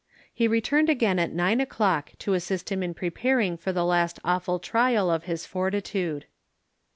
He returned again at nine o'clock, to assist him in preparing for the last awful trial of his fortitude.